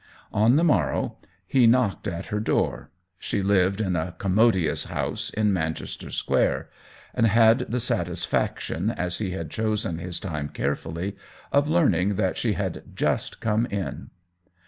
On the morrow he knocked at her door — she lived in a " commodious " house in Manchester Square — and had the 58 THE WHEEL OF TIME satisfaction, as he had chosen his time care fully, of learning that she had just come in.